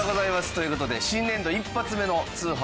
という事で新年度一発目の通販☆